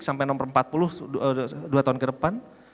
sampai nomor empat puluh dua tahun ke depan